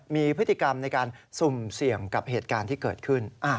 มีพฤติกรรมในการสุ่มเสี่ยงกับเหตุการณ์ที่เกิดขึ้น